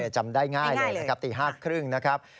จำได้ง่ายเลยนะครับตี๕๓๐นะครับ